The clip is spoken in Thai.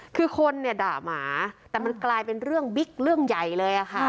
คือคนเนี่ยด่าหมาแต่มันกลายเป็นเรื่องบิ๊กเรื่องใหญ่เลยค่ะ